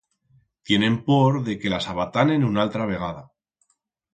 Tienen por de que las abatanen unaltra vegada.